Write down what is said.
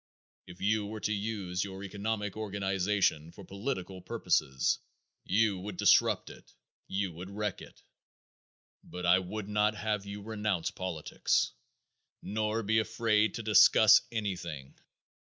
If you were to use your economic organization for political purposes you would disrupt it, you would wreck it. But I would not have you renounce politics, nor be afraid to discuss anything.